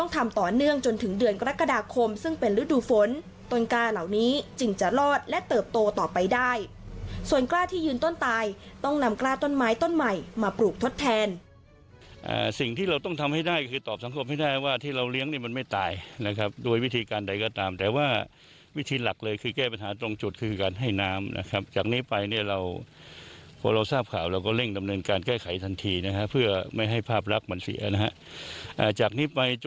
ต่อไปได้ส่วนกล้าที่ยืนต้นตายต้องนำกล้าต้นไม้ต้นใหม่มาปลูกทดแทนสิ่งที่เราต้องทำให้ได้คือตอบสังคมให้ได้ว่าที่เราเลี้ยงมันไม่ตายนะครับด้วยวิธีการใดก็ตามแต่ว่าวิธีหลักเลยคือแก้ปัญหาตรงจุดคือการให้น้ำนะครับจากนี้ไปเนี่ยเราพอเราทราบข่าวเราก็เร่งดำเนินการแก้ไขทันทีนะครับเพื่อไม่ให